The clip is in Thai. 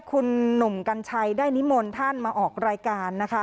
คุณหนุ่มกัญชัยได้นิมนต์ท่านมาออกรายการนะคะ